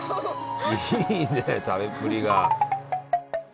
いいね食べっぷりが。